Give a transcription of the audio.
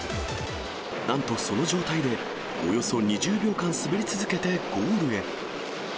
なんとその状態で、およそ２０秒間滑り続けてゴールへ。